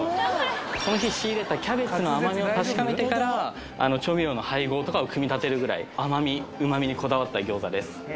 その日仕入れたキャベツの甘みを確かめてから調味料の配合とかを組み立てるぐらい甘み旨味にこだわった餃子です